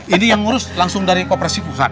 ini yang ngurus langsung dari koperasi pusat